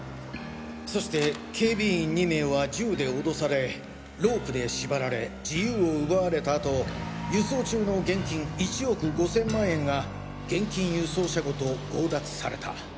そして警備員２名は銃で脅されロープでしばられ自由を奪われたあと輸送中の現金１億５０００万円が現金輸送車ごと強奪された。